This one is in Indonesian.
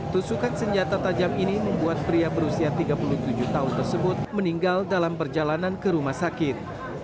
tusukan senjata tajam ini membuat pria berusia tiga puluh tujuh tahun tersebut meninggal dalam perjalanan ke rumah sakit